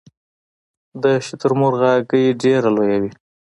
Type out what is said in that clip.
د شترمرغ هګۍ ډیره لویه وي